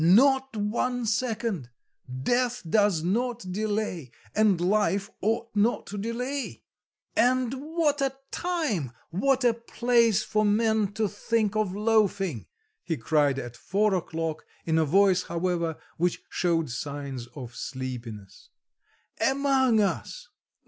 "Not one second: death does not delay, and life ought not to delay." "And what a time, what a place for men to think of loafing!" he cried at four o'clock, in a voice, however, which showed signs of sleepiness; "among us!